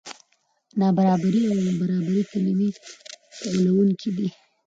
نابرابري او برابري کلمې غولوونکې دي.